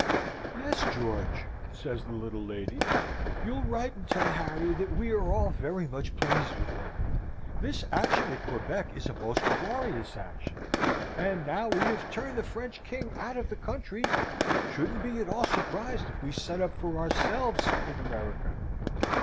"Yes, George!" says the little lady. "You'll write and tell Harry that we are all very much pleased with him. This action at Quebec is a most glorious action; and now we have turned the French king out of the country, shouldn't be at all surprised if we set up for ourselves in America."